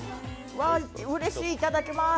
うれしい、いただきまーす。